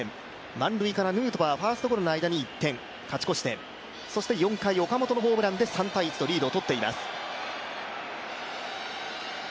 満塁からヌートバー、ファーストゴロの間に１点、勝ち越してそして４回、岡本のホームランで３−１とリードをとっています。